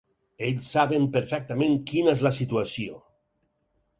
Ells saben perfectament quina és la situació.